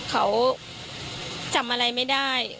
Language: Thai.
เขาจำอะไรไม่ได้